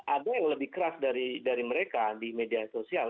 ada yang lebih keras dari mereka di media sosial